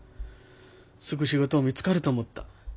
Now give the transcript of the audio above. すぐ仕事見つかると思った。